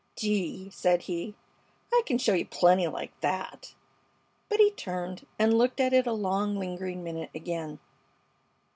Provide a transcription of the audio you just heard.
"Gee!" said he, "I c'n show you plenty like that!" But he turned and looked at it a long, lingering minute again.